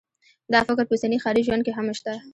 دا فکر په اوسني ښاري ژوند کې هم شته